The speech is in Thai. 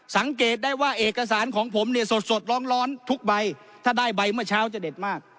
สังเกตได้ว่าเอกสารของผมเนี่ยสดร้อนทุกใบถ้าได้ใบเมื่อเช้าจะเด็ดมาก